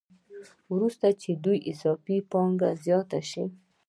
وروسته چې د دوی اضافي پانګه زیاته شي